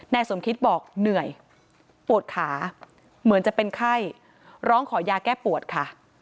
สมคิดบอกเหนื่อยปวดขาเหมือนจะเป็นไข้ร้องขอยาแก้ปวดค่ะ